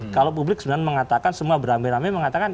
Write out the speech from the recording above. kalau publik sebenarnya mengatakan semua beramai ramai mengatakan